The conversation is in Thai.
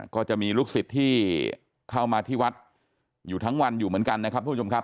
ก็จะมีลูกศิษย์ที่เข้ามาที่วัดอยู่ทั้งวันอยู่เหมือนกันนะครับทุกผู้ชมครับ